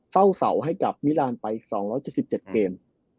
เฝ้าเสาให้กับมิรานไปอีก๒๗๗เกม